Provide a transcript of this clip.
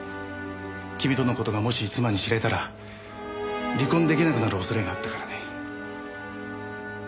君との事がもし妻に知れたら離婚出来なくなる恐れがあったからね。